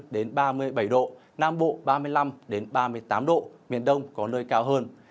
đến ba mươi bảy độ nam bộ ba mươi năm ba mươi tám độ miền đông có nơi cao hơn